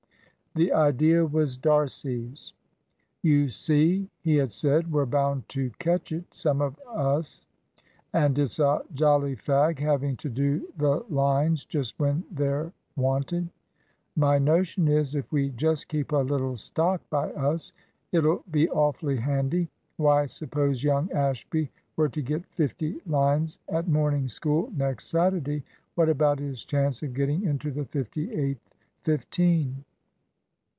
The idea was D'Arcy's. "You see," he had said, "we're bound to catch it, some of as, and it's a jolly fag having to do the lines just when they're wanted. My notion is, if we just keep a little stock by us, it'll be awfully handy. Why, suppose young Ashby were to get fifty lines at morning school next Saturday, what about his chance of getting into the 58th fifteen?"